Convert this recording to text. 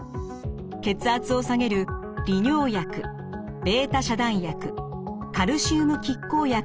血圧を下げる利尿薬β遮断薬カルシウム拮抗薬などです。